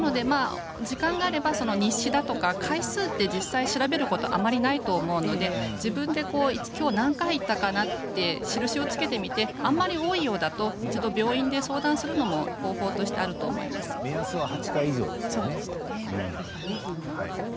時間があれば日誌とか回数を実際調べることはないと思うのできょう何回行ったかなと印をつけてみてあまり多いようだと病院で相談するのも目安は８回以上でしたね。